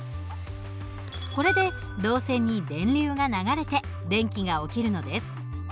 これで導線に電流が流れて電気が起きるのです。